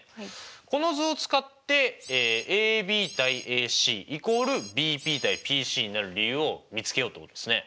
この図を使ってＡＢ：ＡＣ＝ＢＰ：ＰＣになる理由を見つけようってことですね。